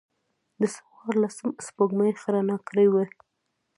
د څوارلسمم سپوږمۍ ښه رڼا کړې وه.